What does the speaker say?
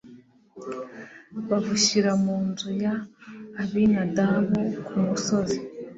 babushyira mu nzu ya abinadabu ku musozi